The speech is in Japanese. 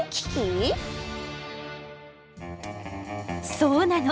そうなの。